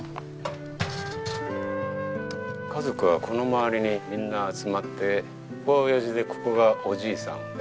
家族はこの周りにみんな集まってここは親父でここがおじいさん。